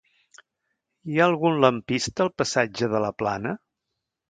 Hi ha algun lampista al passatge de la Plana?